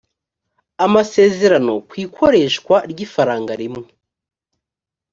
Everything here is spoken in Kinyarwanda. amasezerano ku ikoreshwa ry ifaranga rimwe